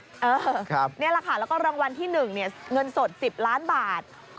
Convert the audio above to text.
นี่แหละค่ะแล้วก็รางวัลที่๑เงินสด๑๐ล้านบาท